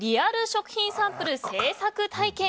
食品サンプル製作体験。